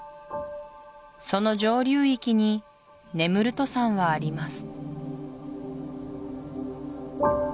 その上流域にネムルト山はあります